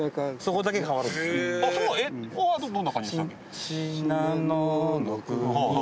ここはどんな感じでしたっけ？